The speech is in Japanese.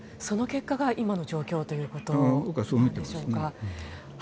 その結果が今の状況ということでしょうか。